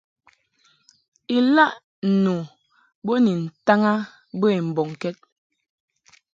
Ilaʼ nu bo ni ntaŋ a bə i mbɔŋkɛd.